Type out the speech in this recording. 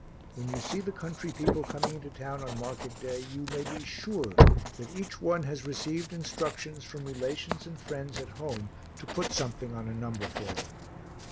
When you see the country people coming into town on market day you may be sure that each one has received instructions from relations and friends at home to put something on a number for them.